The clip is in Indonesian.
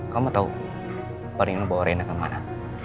kamu tau panino bawa rena kemana